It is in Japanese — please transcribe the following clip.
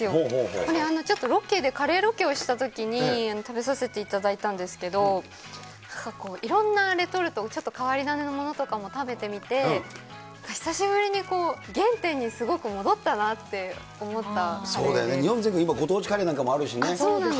これ、ちょっとロケで、カレーロケをしたときに食べさせていただいたんですけど、なんかこう、いろんなレトルトの変わり種のものとかも食べてみて、久しぶりに原点にすごく戻ったなって思ったカレーで。